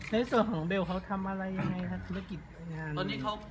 เห้ยส่วนของเบลเขาทำอะไรยังไงค่ะธุรกิจงาน